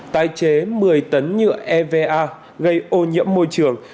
tái chế một mươi tấn nhựa eva gây ô nhiễm môi trường